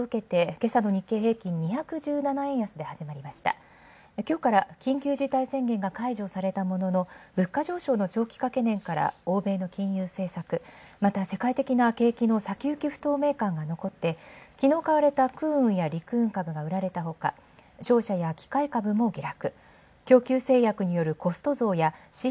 今日から緊急事態宣言が解除されたものの物価上昇の長期化懸念から欧米の金融政策、また世界的な景気の先行き不透明感が残って昨日買われた空運や陸運株が売られたほか、株価は下落。